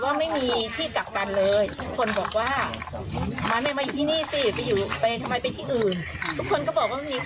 นะครับ